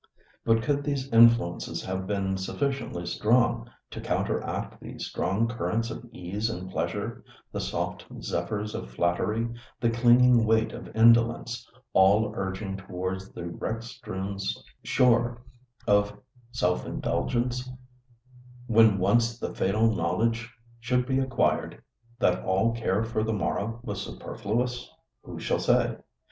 But could these influences have been sufficiently strong to counteract the strong currents of ease and pleasure, the soft zephyrs of flattery, the clinging weight of indolence, all urging towards the wreck strewn shore of self indulgence, when once the fatal knowledge should be acquired that all care for the morrow was superfluous? Who shall say?